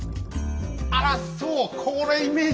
あらそう！